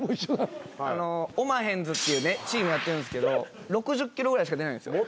オマヘンズっていうチームやってるんですけど６０キロぐらいしか出ないんですよ。